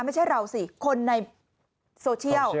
ไม่ใช่เราสิคนในโซเชียล